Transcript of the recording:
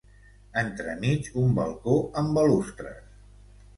Entremig, un balcó amb balustres.